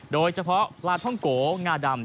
โดยเฉพาะปลาท่องโกงาดำ